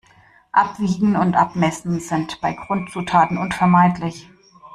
Abwiegen und Abmessen sind bei Grundzutaten unvermeidlich.